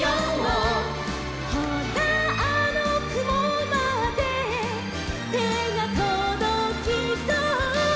「ほらあのくもまでてがとどきそう」